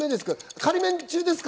仮免中ですか？